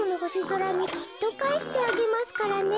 ぞらにきっとかえしてあげますからね」。